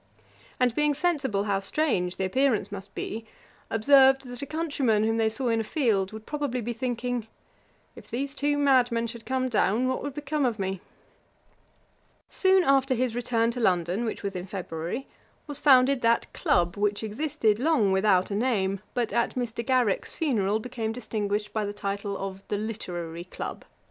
And being sensible how strange the appearance must be, observed, that a countryman whom they saw in a field, would probably be thinking, 'If these two madmen should come down, what would become of me?' [Page 478: The Literary Club. A.D. 1764.] [Page 479: List of the members. Ætat 55.] Soon after his return to London, which was in February, was founded that CLUB which existed long without a name, but at Mr. Garrick's funeral became distinguished by the title of THE LITERARY CLUB.